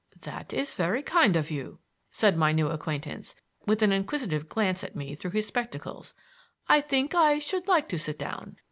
"That is very kind of you," said my new acquaintance, with an inquisitive glance at me through his spectacles. "I think I should like to sit down.